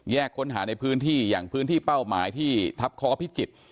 ค้นหาในพื้นที่อย่างพื้นที่เป้าหมายที่ทัพคอพิจิตร